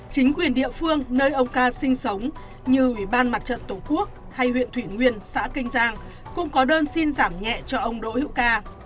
chính quyền địa phương nơi ông ca sinh sống như ủy ban mặt trận tổ quốc hay huyện thủy nguyên xã kinh giang cũng có đơn xin giảm nhẹ cho ông đỗ hữu ca